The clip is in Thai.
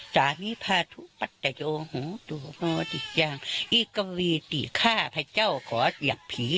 สามิพาทุปัตตโยหุ้มตุโฮดิจังอีกวีติข้าพเจ้าขอเหยียบผี